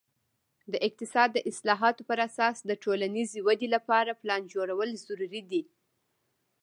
د اقتصاد د اصلاحاتو پر اساس د ټولنیزې ودې لپاره پلان جوړول ضروري دي.